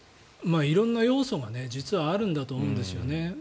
色んな要素が実はあるんだと思うんですよね。